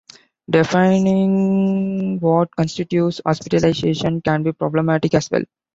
Defining what constitutes hospitalization can be problematic as well.